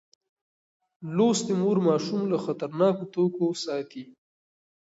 لوستې مور ماشوم له خطرناکو توکو ساتي.